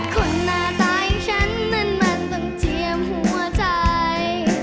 คนหน้าตายฉันนั้นมันต้องเจียมหัวใจ